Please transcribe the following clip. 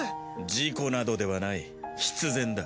事故などではない必然だ。